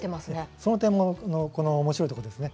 その点もおもしろいわけですね。